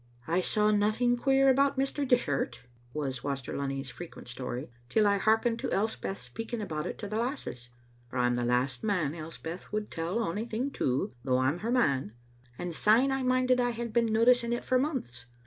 " I saw nothing queer about Mr. Dishart,*' was Wast er Lunny's frequent story, "till I hearkened to Els peth speaking about it to the lasses (for I'm the last Elspeth would tell ony thing to, though I'm her man), and syne I minded I had been noticing it for months.